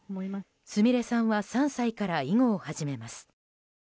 菫さんは３歳から囲碁を始めます。